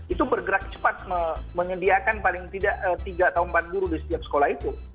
itu bergerak cepat menyediakan paling tidak tiga atau empat guru di setiap sekolah itu